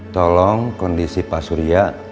tolong kondisi pak uriah